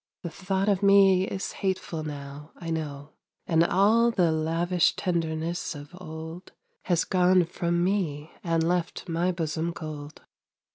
The thought of me is hateful now, I know; And all the lavish tenderness of old Has gone from me and left my bosom cold.